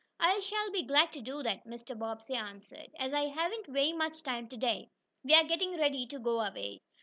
"I shall be glad to do that," Mr. Bobbsey answered, "as I haven't very much time today. We are getting ready to go away."